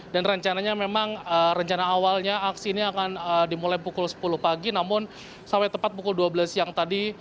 dan rencananya memang rencana awalnya aksi ini akan dimulai pukul sepuluh pagi namun sampai tepat pukul dua belas siang tadi